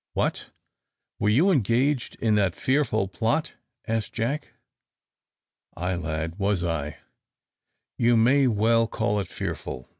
"What! were you engaged in that fearful plot?" asked Jack. "Ay, lad, was I: you may well call it fearful!"